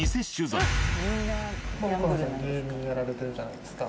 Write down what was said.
岡野さん芸人やられてるじゃないですか。